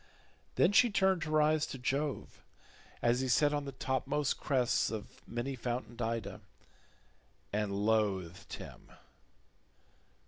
Then she turned her eyes to Jove as he sat on the topmost crests of many fountained Ida, and loathed him.